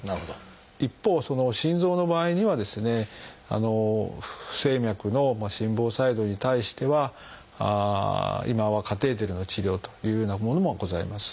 一方心臓の場合にはですね不整脈の心房細動に対しては今はカテーテルの治療というようなものもございます。